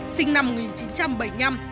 sinh năm một nghìn chín trăm bảy mươi năm